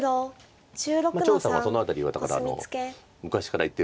張栩さんはその辺りはだから昔から言ってる。